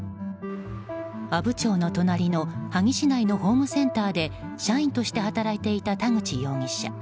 阿武町の隣の萩市内のホームセンターで社員として働いていた田口容疑者。